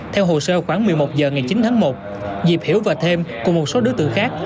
theo hồ sơ khoảng một mươi một h ngày chín tháng một diệp hiểu và thêm cùng một số đối tượng khác